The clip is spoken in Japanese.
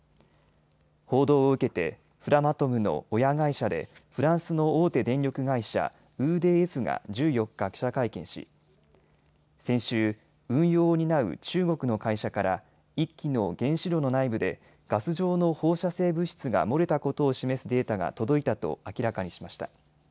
報道を受けてフラマトムの親会社でフランスの大手電力会社、ＥＤＦが１４日、記者会見し、先週、運用を担う中国の会社から１基の原子炉の内部でガス状の放射性物質が漏れたことを示すデータが届いたと明らかにしました。